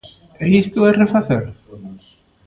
¿E isto é refacer?